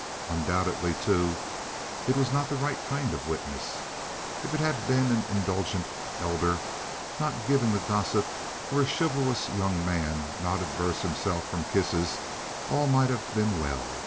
Undoubtedly, too, it was not the right kind of witness. If it had been an indulgent elder not given to gossip, or a chivalrous young man not averse himself from kisses, all might have been well.